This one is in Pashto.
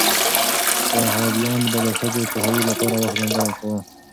صحابیانو به د ښځو د پوهاوي لپاره وخت ځانګړی کاوه.